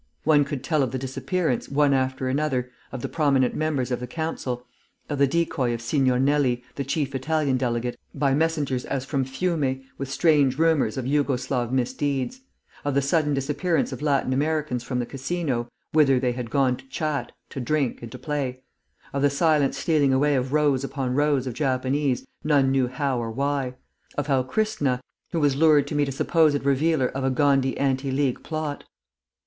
One could tell of the disappearance, one after another, of the prominent members of the Council of the decoy of Signor Nelli, the chief Italian delegate, by messengers as from Fiume with strange rumours of Jugo Slav misdeeds; of the sudden disappearance of Latin Americans from the Casino, whither they had gone to chat, to drink, and to play; of the silent stealing away of rows upon rows of Japanese, none knew how or why; of how Kristna, the distinguished Indian, was lured to meet a supposed revealer of a Ghandi anti League plot.